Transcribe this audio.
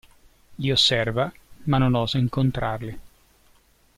Li osserva, ma non osa incontrarli.